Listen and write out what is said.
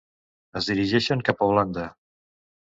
Es dirigeixen cap a Holanda.